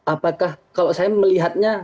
apakah kalau saya melihatnya